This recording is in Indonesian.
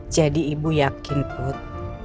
jadi ibu yakin put